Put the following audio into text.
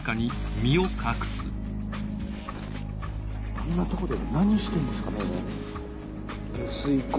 あんなとこで何してるんですかね？